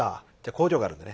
工場があるんでね